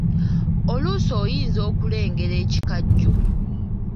Oluusi oyinza okulengera ekikajjo.